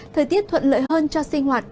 thời tiết thuận lợi hơn cho sinh hoạt